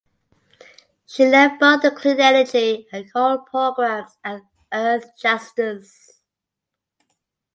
She led both the clean energy and coal programs at Earthjustice.